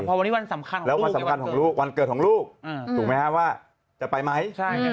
พอวันนี้วันสำคัญของลูกแล้ววันเกิดของลูกถูกไหมฮะว่าจะไปไหม